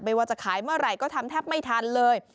ว่าจะขายเมื่อไหร่ก็ทำแทบไม่ทันเลย